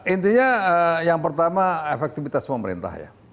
intinya yang pertama efektivitas pemerintah ya